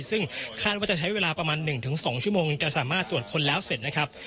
ซึ่งคาดว่าจะใช้เวลาประมาณ๑๒ชั่วโมงจะสามารถตรวจคนแล้วเสร็จนะครับ